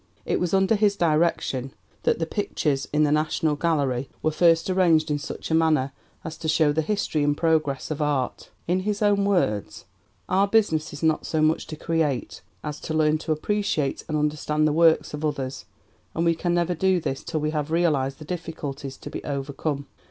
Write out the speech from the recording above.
It was under his direction that the pictures in the National Gallery were first arranged in such a manner as to show the history and progress of art. In his own words: "Our business is not so much to create, as to learn to appreciate and understand the works of others, and we can never do this till we have realized the difficulties to be overcome.